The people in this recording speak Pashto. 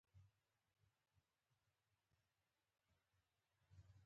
ـ مه مې يادوه بد پلار، چې نه دې يادوم ښه پلار.